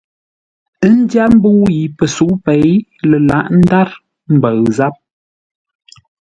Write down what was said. Ə́ ndyár mbəu yi pəsə̌u pêi lə lǎghʼ ńdár mbəu záp.